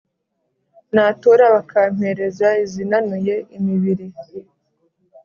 natura bakampereza izinanuye imibiri